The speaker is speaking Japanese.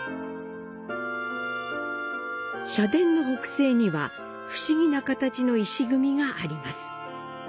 社殿の北西には、不思議な形の石組みがあります。